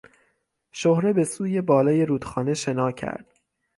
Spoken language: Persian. شهره به سوی بالای رودخانه شنا کرد.